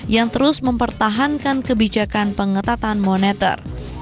yang terus mempertahankan kebijakan pengetatan moneter